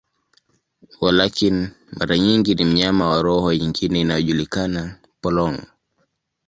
Walakini, mara nyingi ni mnyama wa roho nyingine inayojulikana, polong.